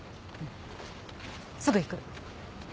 すぐ行く。